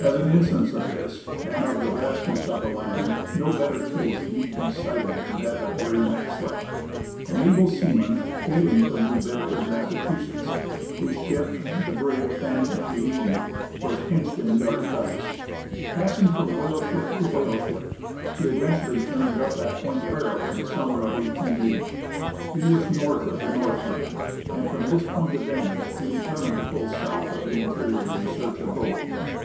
As an instance of this, and of the vastness of the land, no better case need be cited than that of Harry Maxwell. An able seaman, hailing from New Bedford, Massachusetts, his ship, the brig Fannie E. Lee, was pinched in the Arctic ice. Passing from whaleship to whaleship, he eventually turned up at Point Barrow in the summer of 1880. He was north of the Northland, and from this point of vantage he determined to pull south of the interior in search of gold.